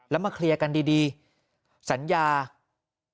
แล้วมาเคลียร์การดีสัญญาศัพท์